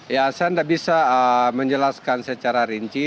ya saya tidak bisa menjelaskan secara rinci